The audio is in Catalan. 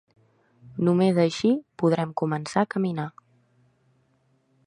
Només així podrem començar a caminar.